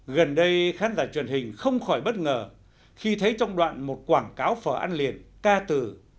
gần đây khán giả truyền hình không khỏi bất ngờ khi thấy trong đoạn một quảng cáo phở ăn liền ca từ